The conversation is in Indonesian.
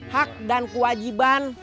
hak dan kewajiban